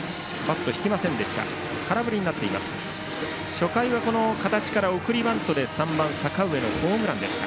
初回はこの形から送りバントで３番、阪上のホームランでした。